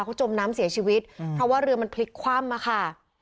เขาจมน้ำเสียชีวิตเพราะว่าเรือมันพลิกคว่ำมาค่ะ